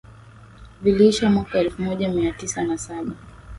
Viliisha mwaka elfu moja mia tisa na saba